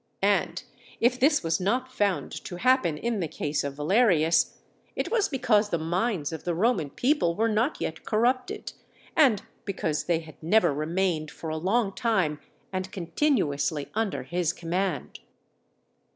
And if this was not found to happen in the case of Valerius, it was because the minds of the Roman people were not yet corrupted, and because they had never remained for a long time and continuously under his command.